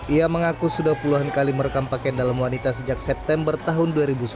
ia mengaku sudah puluhan kali merekam pakaian dalam wanita sejak september tahun dua ribu sebelas